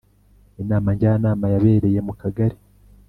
inama njyanama yabereye mu kagari